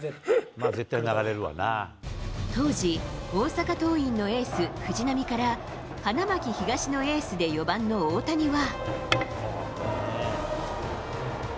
当時、大阪桐蔭のエース、藤浪から、花巻東のエースで４番の大谷は。